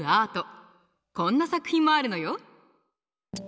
こんな作品もあるのよ。